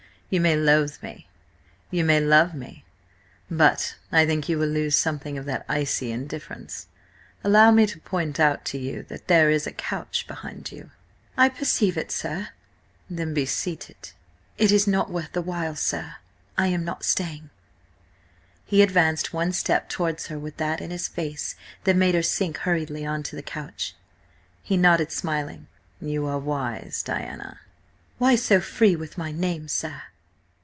You may loathe me, you may love me, but I think you will lose something of that icy indifference. Allow me to point out to you that there is a couch behind you." "I perceive it, sir." "Then be seated." "It is not worth the while, sir. I am not staying." He advanced one step towards her with that in his face that made her sink hurriedly on to the couch. He nodded smiling. "You are wise, Diana." "Why so free with my name, sir?"